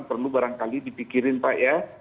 perlu barangkali dipikirin pak ya